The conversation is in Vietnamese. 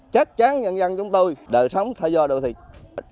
chắc chắn nhân dân chúng tôi đợi sống thay do đồ thịt